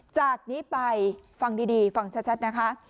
จากนี้ไปฟังดีฟังชัดนะคะ